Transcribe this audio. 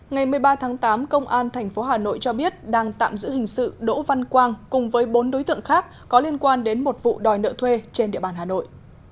ngày một mươi ba tháng tám công an tp hà nội cho biết đang tạm giữ hình sự đỗ văn quang cùng với bốn đối tượng khác có liên quan đến một vụ đòi nợ thuê trên địa bàn hà nội